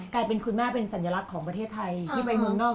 กลายเป็นคุณแม่เป็นสัญลักษณ์ของประเทศไทยที่ไปเมืองนอก